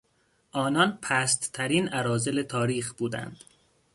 آنان پستترین اراذل تاریخ بودند.